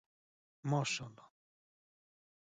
ماشاءالله